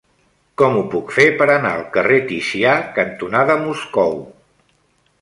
Com ho puc fer per anar al carrer Ticià cantonada Moscou?